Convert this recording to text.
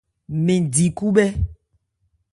Mɛn di khúbhɛ́.